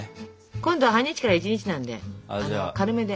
今度は半日から１日なんで軽めで。